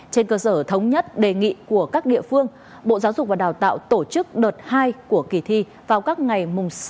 trên cơ sở thống nhất đề nghị của các địa phương bộ giáo dục và đào tạo tổ chức đợt hai của kỳ thi vào các ngày sáu bảy tám hai nghìn hai mươi một